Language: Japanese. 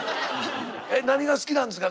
何が好きなんですか？